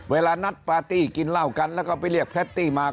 เวลานัดปาร์ตี้กินเหล้ากันแล้วก็ไปเรียกแพรตตี้มา